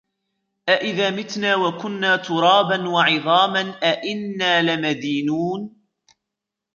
أَإِذَا مِتْنَا وَكُنَّا تُرَابًا وَعِظَامًا أَإِنَّا لَمَدِينُونَ